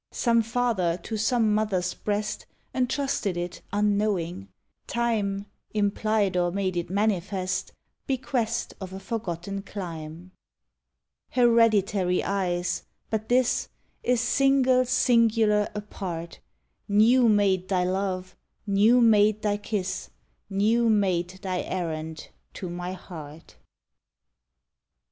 Some father to some mother's breast Entrusted it, unknowing. Time Implied, or made it manifest, Bequest of a forgotten clime. Hereditary eyes! But this Is single, singular, apart:— New made thy love, new made thy kiss, New made thy errand to my heart.